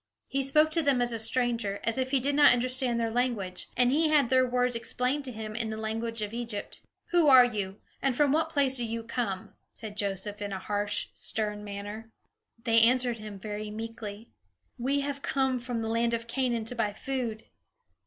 He spoke to them as a stranger, as if he did not understand their language, and he had their words explained to him in the language of Egypt. "Who are you? And from what place do you come?" said Joseph, in a harsh, stern manner. They answered him very meekly: "We have come from the land of Canaan to buy food."